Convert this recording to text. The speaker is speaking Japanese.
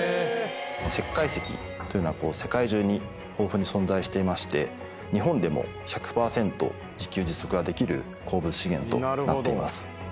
石灰石というのは世界中に豊富に存在していまして日本でも１００％自給自足ができる鉱物資源となっています。